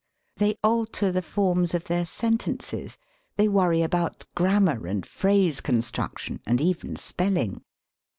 They alter the forms of their sentences. They worry about grammar and phrase const ruction and even spelling.